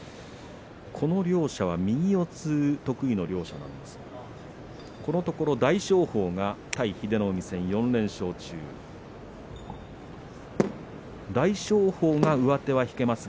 この両者は右四つ得意の両者なんですがこのところ大翔鵬が英乃海戦４連勝中です。